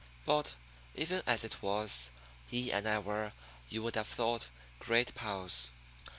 But, even as it was, he and I were, you would have thought, great pals.